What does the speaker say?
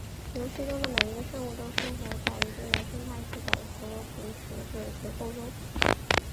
游戏中的每一个生物都生活在一定的生态系统和捕食者结构中。